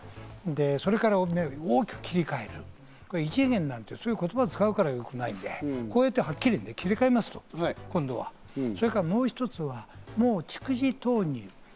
それから大きく切り替える、異次元なんて言葉を使うから良くないのであって、これから切り替えますと、もう逐次投入。